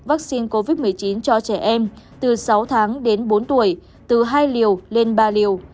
vaccine covid một mươi chín cho trẻ em từ sáu tháng đến bốn tuổi từ hai liều lên ba liều